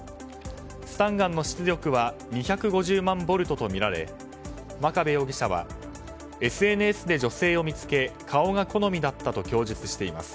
スタンガンの出力は２５０万ボルトとみられ真壁容疑者はＳＮＳで女性を見つけ顔が好みだったと供述しています。